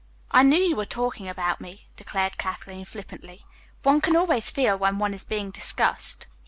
"I knew you were talking about me," declared Kathleen flippantly. "One can always feel when one is being discussed."